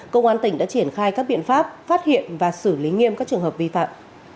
công an tỉnh đã triển khai các biện pháp phát hiện và xử lý nghiêm các trường hợp vi phạm